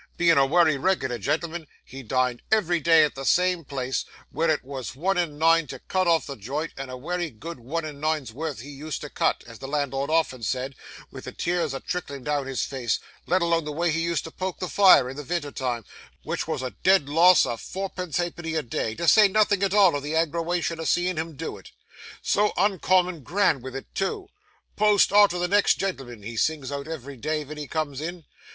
Being a wery reg'lar gen'l'm'n, he din'd ev'ry day at the same place, where it was one and nine to cut off the joint, and a wery good one and nine's worth he used to cut, as the landlord often said, with the tears a tricklin' down his face, let alone the way he used to poke the fire in the vinter time, which wos a dead loss o' four pence ha'penny a day, to say nothin' at all o' the aggrawation o' seein' him do it. So uncommon grand with it too! "_Post _arter the next gen'l'm'n," he sings out ev'ry day ven he comes in.